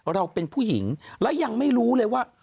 เราเป็นผู้หญิงและยังไม่รู้เลยว่า